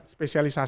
di situ juga